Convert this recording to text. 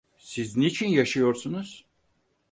Siz niçin yaşıyorsunuz?